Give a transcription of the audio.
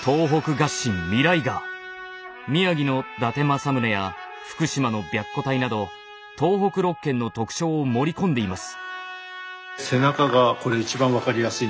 宮城の伊達政宗や福島の白虎隊など東北六県の特徴を盛り込んでいます。